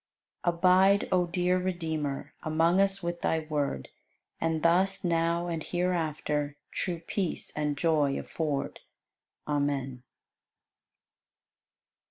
92. Abide, O dear Redeemer, Among us with Thy Word And thus now and hereafter True peace and joy afford. Amen.